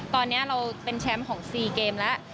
ตอนนี้เราเป็นแชมป์ของ๔เกมแล้ว